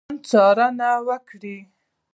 بارونیان څارنه وکړي.